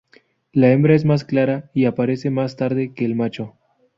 La hembra es más clara y aparece más tarde que el macho.